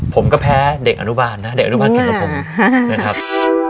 ผมก็แพ้เด็กอนุบาลเนี่ยเด็กอนุบาลกันกับผม